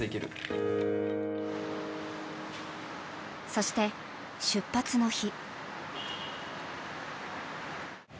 そして、出発の日。